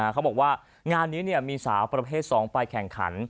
เขาบอกว่างานนี้มีสาวประเภท๒ไปแข่งขัน